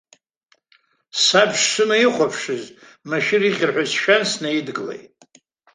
Саб сшынаихәаԥшыз машәыр ихьыр ҳәа сшәан, снаидгылеит.